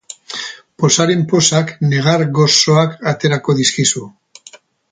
Pozaren pozak negar gozoak aterako dizkizu.